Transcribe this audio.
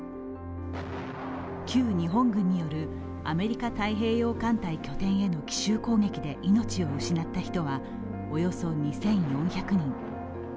旧日本軍によるアメリカ太平洋艦隊拠点への奇襲攻撃で命を失った人はおよそ２４００人。